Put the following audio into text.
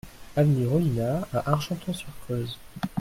Avenue Rollinat à Argenton-sur-Creuse